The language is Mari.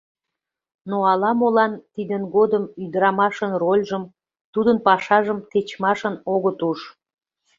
Но ала-молан тидын годым ӱдырамашын рольжым, тудын пашажым тичмашын огыт уж.